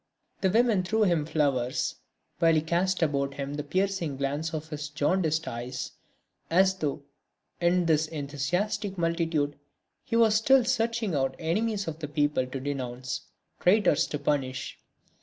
The women threw him flowers, while he cast about him the piercing glance of his jaundiced eyes, as though, in this enthusiastic multitude he was still searching out enemies of the people to denounce, traitors to punish.